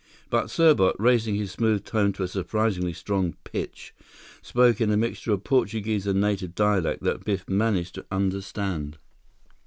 But Serbot, raising his smooth tone to a surprisingly strong pitch, spoke in a mixture of Portuguese and native dialect that Biff managed to understand.